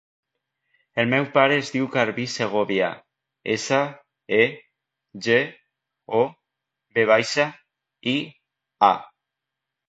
El meu pare es diu Garbí Segovia: essa, e, ge, o, ve baixa, i, a.